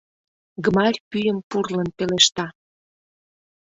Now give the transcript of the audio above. — Гмарь пӱйым пурлын пелешта.